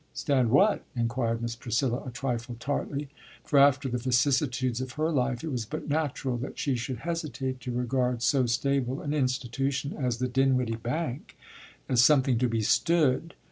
"Stand what?" inquired Miss Priscilla, a trifle tartly, for after the vicissitudes of her life it was but natural that she should hesitate to regard so stable an institution as the Dinwiddie Bank as something to be "stood."